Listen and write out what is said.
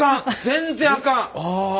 全然あかん！